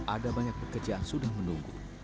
ada banyak pekerjaan sudah menunggu